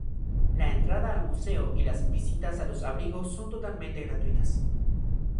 La entrada al museo y las visitas a los abrigos son totalmente gratuitas.